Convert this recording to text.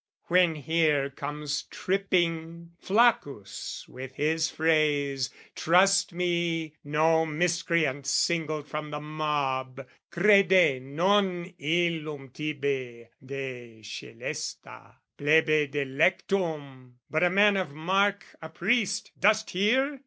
When here comes tripping Flaccus with his phrase "Trust me, no miscreant singled from the mob, "Crede non illum tibi de scelesta "Plebe delectum," but a man of mark, A priest, dost hear?